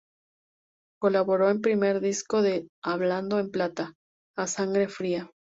Colaboró en el primer disco de Hablando en plata, "A sangre fría".